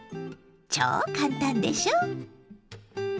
超簡単でしょ！